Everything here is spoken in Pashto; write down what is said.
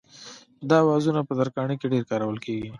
دا اوزارونه په ترکاڼۍ کې ډېر کارول کېږي.